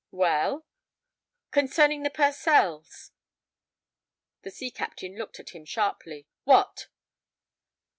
"Well?" "Concerning the Purcells." The sea captain looked at him sharply. "What?"